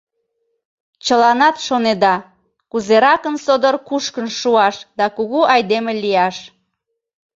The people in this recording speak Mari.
Чыланат шонеда: кузеракын содор кушкын шуаш да кугу айдеме лияш.